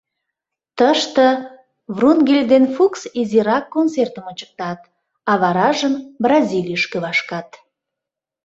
Тыште Врунгель ден Фукс изирак концертым ончыктат, а варажым Бразилийышке вашкат